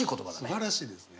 すばらしいですね。